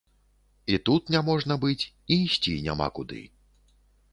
І тут няможна быць, і ісці няма куды.